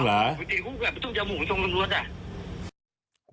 ปกติคุกกันมันต้องเจาะหมูตรงตำรวจ